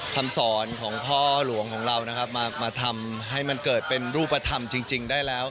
คำสอนของพ่อหลวงของเรานะครับมาทำให้มันเกิดเป็นรูปธรรมจริงได้แล้ว